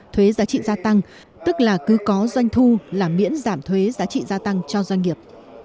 thuế giá trị gia tăng tức là cứ có doanh thu là miễn giảm thuế giá trị gia tăng cho doanh nghiệp